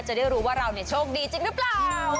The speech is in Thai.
จะได้รู้ว่าเราโชคดีจริงหรือเปล่า